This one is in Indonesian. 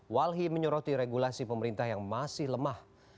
walhi menyoroti regulasi pemerintah yang masih lemah